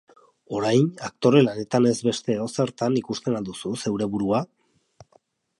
Orain, aktore lanetan ez beste edozertan ikusten al duzu zeure burua?